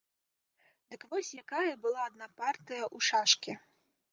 Дык вось якая была адна партыя ў шашкі.